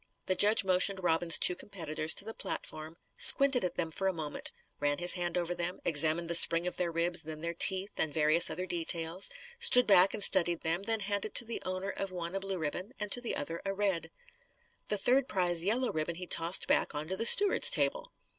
The judge motioned Robin's two competitors to the platform, squinted at them for a moment, ran his hand over them, examined the spring of their ribs, then their teeth, and various other details, stood back and studied them then handed to the owner of one a blue ribbon and to the other a red. The third prize yellow ribbon he tossed back onto the steward's table.